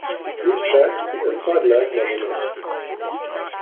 Please check the inside leg measurement